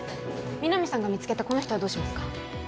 皆実さんが見つけたこの人はどうしますか？